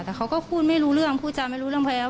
แต่เขาก็คุยไม่รู้เรื่องพูดจำไม่รู้เรื่อง